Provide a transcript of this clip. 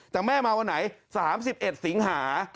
แต่แม่มาวันไหน๓๑สิงหา